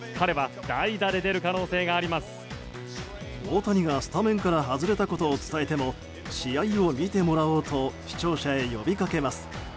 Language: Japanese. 大谷がスタメンから外れたことを伝えても試合を見てもらおうと視聴者へ呼びかけます。